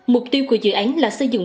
mục tiêu của dự án là xây dựng